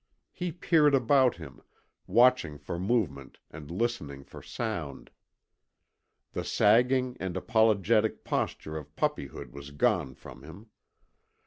He peered about him, watching for movement and listening for sound. The sagging and apologetic posture of puppyhood was gone from him.